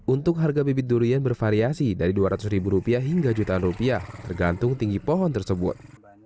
untuk harga bibit durian bervariasi dari dua ratus ribu rupiah hingga jutaan rupiah tergantung tinggi pohon tersebut